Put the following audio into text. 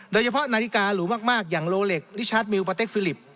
โดยเฉพาะนาฬิกาหลูมากอย่างโลเล็กลิชาร์ทมิวปาร์เต็กส์ฟิลิป